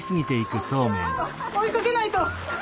追いかけないと。